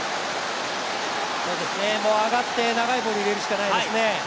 上がって、長いボール入れるしかないですね。